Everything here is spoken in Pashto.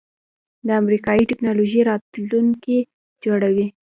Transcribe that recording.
د امریکایی ټیکنالوژۍ راتلونکی جوړول